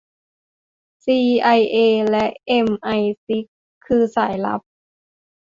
ซีไอเอและเอมไอซิกส์คือสายลับ